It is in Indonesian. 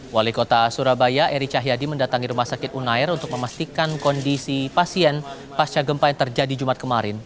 wali kota surabaya eri cahyadi mendatangi rumah sakit unair untuk memastikan kondisi pasien pasca gempa yang terjadi jumat kemarin